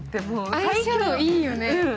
相性いいよね。